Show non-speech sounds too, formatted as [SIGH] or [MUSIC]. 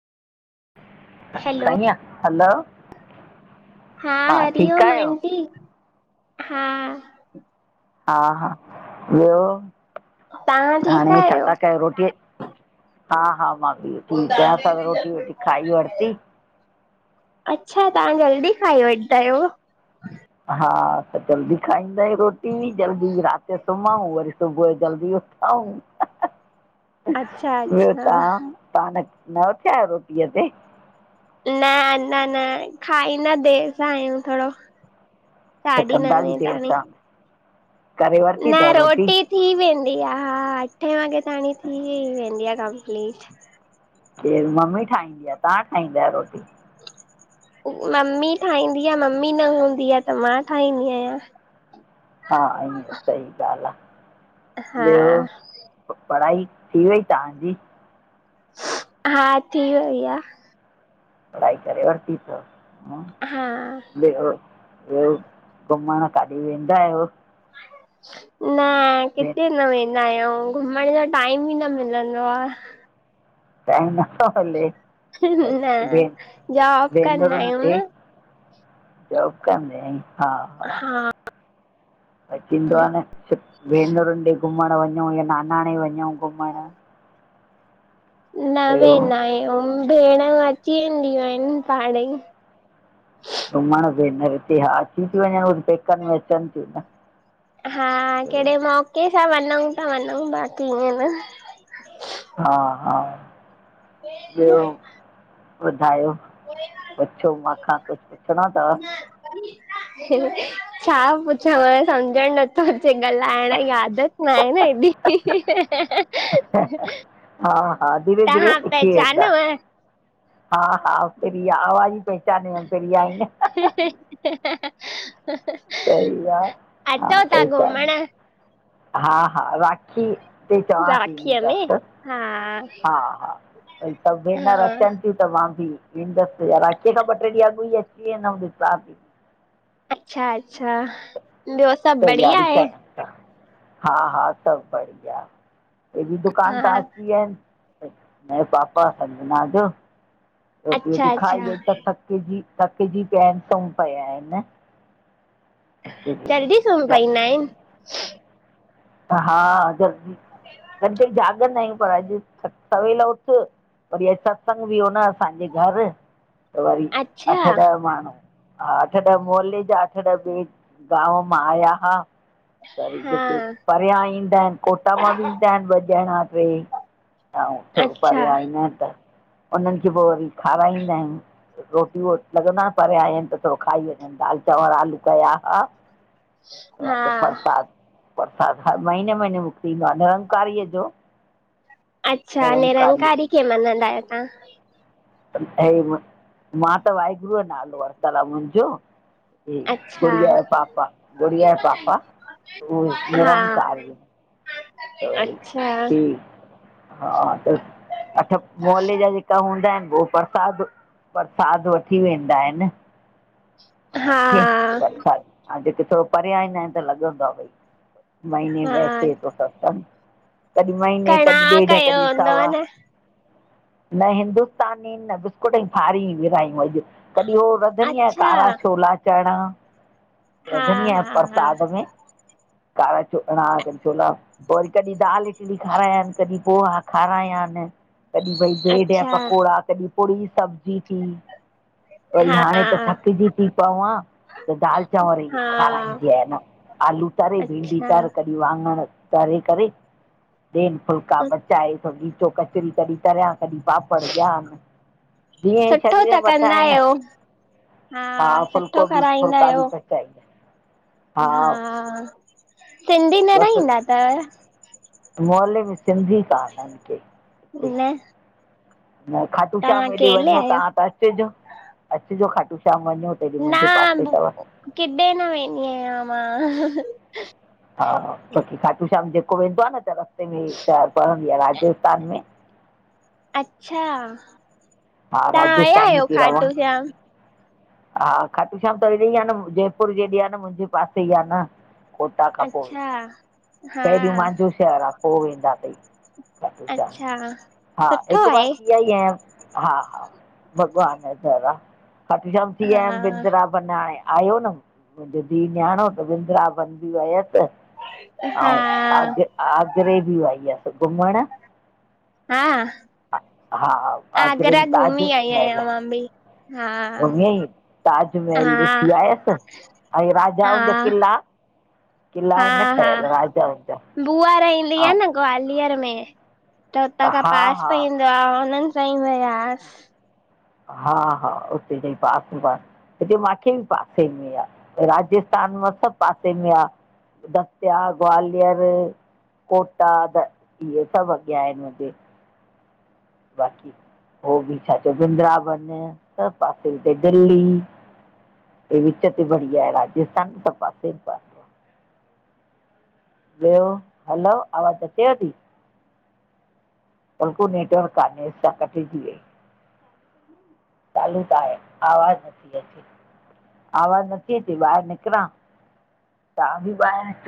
Hello, खड़ी आ hello हा, ठीकु हरिओम आहियो आंटी हा हा हा ॿियो तव्हां ठीकु हाणे छा आहियो? था कयो रोटी हा हा मां बि ठीक आहियां, असां त रोटी वोटी खाई वरती। अच्छा तव्हां जल्दी खाई वठंदा आहियो। हा असां जल्दी खाईंदा आहियूं रोटी जल्दी रात जो सुमंउ वरी सुबुह जो जल्दी उथ अच्छा ॿियो अच्छा तव्हां? तव्हां न उथिया आहियो रोटीअ ते? न अञा न खाईंदा देर सां आहियूं थोड़ो। त साढी कंदा बि नवे देरि ताणी। सां करे वरिती न अथव रोटी थी वेंदी आ अठे वॻे ताणी थी ही वेंदी आ [UNINTELLIGIBLE] केर मम्मी ठाहींदी आ तव्हां ठाहींदा आहियो रोटी? मम्मी ठाहींदी आ, मम्मी न हूंदी आ त मां ठाहींदी आहियां। हा ईंअं सही ॻाल्हि आ, हा। ॿियो? पढ़ाई थी वई तव्हांजी? हा थी वई आ। पढ़ाई करे वरती तव? हा। ॿियो घुमण काॾे वेंदा आहियो? न भेण किॾे न वे नयो, घुमण जो टाईम ही न मिलंदो आ। न जॉब [UNINTELLIGIBLE] कंदा भेनिरून आहियूं खे न जोब [UNINTELLIGIBLE] हा भाई थींदो आ न भेनरुनि ॾे घुमण वञूं या नानाणे वञूं घुमण। न ॿियो वेंदा आहियूं भेणयू अची वेंदियूं आहिनि पाण ही। घुमण भेनर हिते हा, अची थी वञ़न पेकनि में अचनि थियूं त। हा कहिड़े मौके सां वञूं त वञूं बाक़ी ईअं न। हा-हा, ॿियो? ॿुधायो, पुछो मां खां कुछु पुछिणो अथव? [INAUDIBLE] छा पुछांव? सम्झणु नथो अचे, ॻाल्हाइण जी आदत न आहे न हेॾी। हा हा धीरे धीरे तव्हां पहचानो? हा-हा, प्रिया आवाज ई पहचाने वियम प्रिया आहे न। सही आहे अचो ता घुमण? हा-हा, राखी ते चवां थी राखीअ में ईंदसि। हा हा-हा, भई सभु भेनर हा अचनि। त मां बि ईंदसि राखीअ खां ॿ टे ॾींहं अॻु ई अची वेंदमि ॾिसां थी। अच्छा-अच्छा। तैयारी कया। हा-हा सभु बढ़िया। हे बि दुकान हा सां अची वया आहिनि। हे पापा संजना जो। रोटी वोटी अच्छा खाई अच्छा हे त थकजी-थकजी पिया आहिनि सुम्ह पिया आहिनि। [INAUDIBLE] जल्दी सुम त पईंदा आहिनि? हा, जल्दी राति ताईं जाॻंदा आहियूं पर अॼु सवेल उथ वरी अॼु सत्संग बि हो न असांजे घर त वरी अच्छा अठ ॾह माण्हू हा, अठ ॾह मोहल्ले जा अठ ॾह ॿे गांव मां आया हा। त वरी हा जेके परियां ईंदा आहिनि कोटा मां बि ईंदा आहिनि ॿ ॼणा टे हां, थोरो अच्छा परियां ईंदा आहिनि त उन्हनि खे पोइ वरी खाराईंदा आहिनि। रोटियूं लॻंदो आहे न परियां आहियां आहिनि त थोरो खाई वञनि दालि चांवर आलू कया असां। हा त प्रसाद प्रसाद हर महीने महीने मुक्तंदो आहे निरंकारी जो अच्छा, निरंकारीअ निरंकारी खें मञंदा आहियो तां ऐं मां त वाहेगुरूअ जो नालो वठितलु आहे मुंहिंजो। जी अच्छा गुड़िया जो पापा, गुड़िया जे पापा हो हा निरंकारी त वरी अच्छा। ठीकु हा, त अठ मोहल्ले जा जेका हूंदा आहिनि हो प्रसाद प्रसाद वठी वेंदा आहिनि हा हुनखे प्रसाद हा, जेके थोरो परियां ईंदा आहिनि त लॻंदो आहे भई महीने हा में अचे थो त कॾहिं महीने, कणा कॾहिं ॾेढ, कयो कॾहिं हूंदव सावा। न न हिंदुस्तानी, न बिस्कुट जी फारी विरायूं अॼु। कॾहिं उहो रधंदी अच्छा कारा छोला चणा हा रधंदी हा आहियां हा प्रसाद में कारा चणा कॾी छोला। पोइ वरी कॾहिं दाल हिकिड़ी खारायांनि, कॾहिं पोहा खारायांनि। कॾहिं भई ब्रेड जा अच्छा पकोड़ा, कॾहिं पूरी-सब्जी थी। वरी हा हाणे त थकिजी थी पवां। त दालि चांवर ई हा खाराईंदी आहिया न आलू तरे भिंडी अच्छा तर क वांङण तरे करे ॾेन फुलका पचाए थो खीचो कचरी तरी तरियां कॾहिं पापड़ ॾियानि। जीअं सुठो शरीर जे त मथां कंदा आहे न। आहियो हा, सुठो फुल्को बि, कराईंदा फुल्का बि आहियो पच [INAUDIBLE] हा, सिंधी न रहिंदा अथवि? मोहल्ले में सिंधी कान आहिनि के। हिते न। न खाटुशाम तव्हां हेॾे अकेले वञो ता आहियो तं अचिजो, अचिजो खाटू श शाम वञो त हेॾे मुंहिंजे पासे न थव। किॾे न वेंदी आया मां ह-ह। हा बाक़ी खाटू श्याम जेको वेंदो आहे न त रस्ते में छा पवंदी आ राजस्थान में। अच्छा, हा तां वया राजस्थान में आहियो थी रहां खाटूशाम? हा खाटूशाम त हेॾे ही आहे न जयपुर जे हेॾे आहे न मुंहिंजे पासे ई आहे न। कोटा खां पो, अच्छा हा पहिरियो मांजो शहरु आ पो वेंदा थई। खाटूशाम अच्छा हा सुठो हिकु बार आहे थी आई आहियां। हा-हा, भॻवान जो दरि आ, खाटूशाम थी आयमि हा बिंदरा बन हाणे आयो न मुंहिंजो धीउ-न्याणो त बिंद्राबन बि वयसि हा आऊं आग-आगरे बि वई हुयसि घुमण। हा हा, आगरे में आगरा ताज घुमी आई महल। आहियां मां बि हा घुमी ताजमहल हा ॾिसी आयसि। ऐं राजाउनि जा किला हा-हा, राजाउनि जा बुआ रईंदी आ ऐं न ग्वालियर में, त हुतां खां हा पास हा पईंदो आहे हुननि सां ई वयासि। हा-हा, उते जी पास-पास। हिते माखे बि पासे में आ, राजस्थान मां सभु पासे में आ। दतिया, ग्वालियर कोटा त इहे सभु अॻियां आहिनि मुहिंजे। बाक़ी हो बि छा चओ बिंद्राबन, सभु पासे हुते दिल्ली हे विच ते बढ़िया आहे राजस्थान सभु पासे ॿियो, हैलो, आवाज़ अचेव थी? बिल्कुल नेटवर्क कानेसि छा कटे थी वई? चालू त आहे, आवाज़ु नथी अचे। आवाज़ु नथी अचे, ॿाहिरि निकिरां, तव्हां बि ॿाहिरि निक